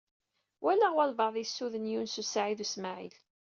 Walaɣ walebɛaḍ yessuden Yunes u Saɛid u Smaɛil.